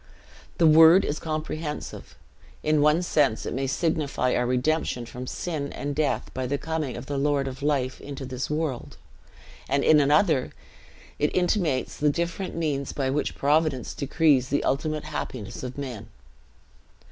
The word is comprehensive; in one sense it may signify our redemption from sin and death by the coming of the Lord of Life into this world; and in another, it intimates the different means b which Providence decrees the ultimate happiness of men.